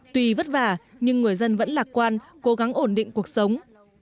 tùy vất vả nhưng người dân vẫn lạc quan cố gắng ổn định cuộc sống